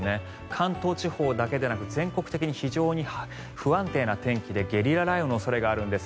関東地方だけでなく全国的に非常に不安定な天気でゲリラ雷雨の恐れがあるんです。